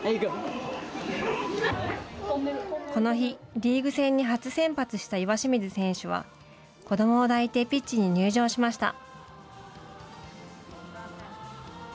この日、リーグ戦に初先発した岩清水選手は子どもを抱いてピッチに入場しました。